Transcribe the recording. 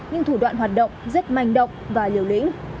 nhưng thủ đoạn hoạt động rất manh động và liều lĩnh